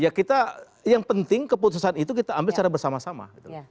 ya kita yang penting keputusan itu kita ambil secara bersama sama